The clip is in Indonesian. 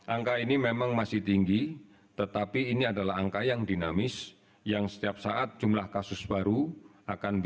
angka ini memang masih tinggi tetapi ini adalah angka yang diperlukan